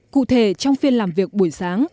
cụ thể trong phiên làm việc buổi sáng